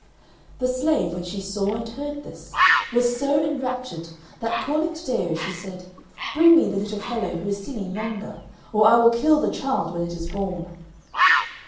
The Slave, when she saw and heard this, was so enraptured that, calling Taddeo, she said, "Bring me the little fellow who is singing yonder, or I will kill the child when it is born."